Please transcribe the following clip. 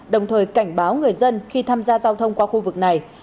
đồng thời cảnh báo người dân khi tham gia giao thông qua khu vực này